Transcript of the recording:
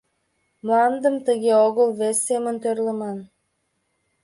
Мландым тыге огыл, вес семын тӧрлыман.